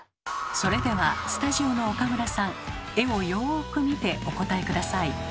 それではスタジオの岡村さん絵をよく見てお答え下さい。